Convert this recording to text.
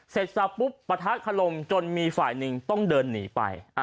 เสร็จสับปุ๊บปะทะคลมจนมีฝ่ายหนึ่งต้องเดินหนีไป